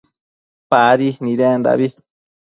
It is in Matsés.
Nadi nidendabi